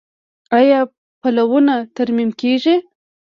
آیا پلونه ترمیم کیږي؟